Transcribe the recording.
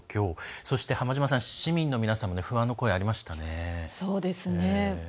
そして浜島さん、市民の皆さんの不安の声がありましたね。